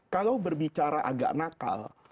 kalau berbicara agak nakal